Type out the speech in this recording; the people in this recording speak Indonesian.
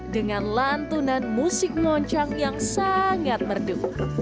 dengan lantunan musik ngoncang yang sangat merdu